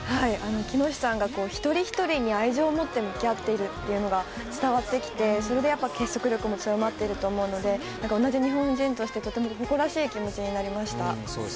喜熨斗さんが一人ひとりに愛情を持って向き合っているのが伝わってきてそれで結束力も強まってきてると思うので同じ日本人としても、とても誇らしい気持ちになりました。